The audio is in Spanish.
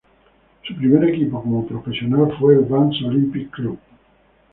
Su primer equipo como profesional fue el Vannes Olympique Club.